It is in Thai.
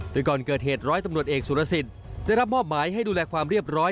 โดยก่อนเกิดเหตุร้อยตำรวจเอกสุรสิทธิ์ได้รับมอบหมายให้ดูแลความเรียบร้อย